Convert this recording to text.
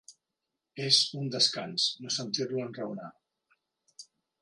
És un descans, no sentir-lo enraonar!